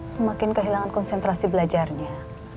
semakin kehilangan konsentrasi belajarnya